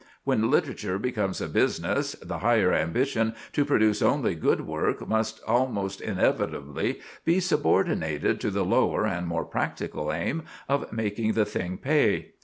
When literature becomes a business, the higher ambition to produce only good work must almost inevitably be subordinated to the lower and more practical aim of making the thing pay.